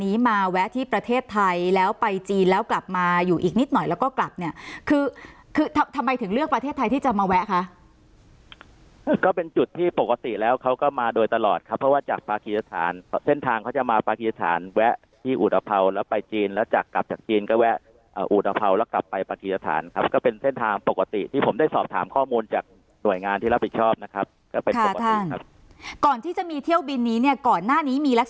นี่มาแวะที่ประเทศไทยแล้วไปจีนแล้วกลับมาอยู่อีกนิดหน่อยแล้วก็กลับเนี่ยคือคือทำไมถึงเลือกประเทศไทยที่จะมาแวะคะก็เป็นจุดที่ปกติแล้วเขาก็มาโดยตลอดครับเพราะว่าจากประธิษฐานเส้นทางเขาจะมาประธิษฐานแวะที่อุตพาวแล้วไปจีนแล้วจากกลับจากจีนก็แวะอ่าอุตพาวแล้วกลับไปประธิษฐานคร